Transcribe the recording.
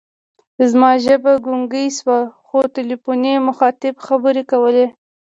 زما ژبه ګونګۍ شوه، خو تلیفوني مخاطب خبرې کولې.